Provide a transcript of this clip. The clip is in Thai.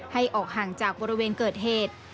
ให้ออกห่างจากบริเวณเกิดเหตุ